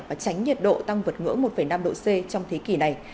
và tránh nhiệt độ tăng vượt ngưỡng một năm độ c trong thế kỷ này